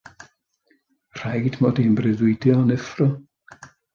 Rhaid mod i yn breuddwydio yn effro.